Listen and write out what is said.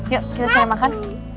yuk kita cari makan